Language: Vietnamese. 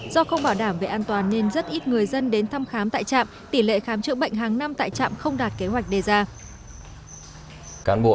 do không bảo đảm về an toàn nên rất ít người dân đến thăm khám tại trạm tỷ lệ khám chữa bệnh hàng năm tại trạm không đạt kế hoạch đề ra